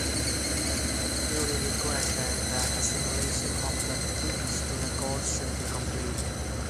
Theory required that the assimilation of the kings to the gods should be complete.